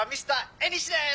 エニシです！